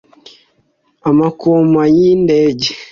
amakompanyi y’indege